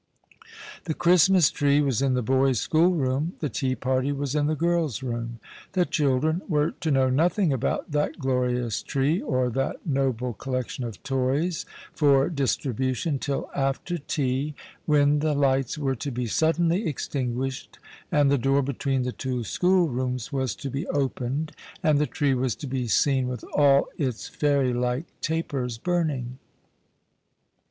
The Christmas tree was in the boys' schoolroom, the tea party was in the girls' room. The children were to know nothing about that glorious tree, or that noble collection of tovs for distribution, till after tea. when the 174 The Christmas Hirelings. lights were to be suddenly extinguished, and the door between the two schoolrooms was to be oj)ened, and the tree was to be seen with all its fairy like tapers burning.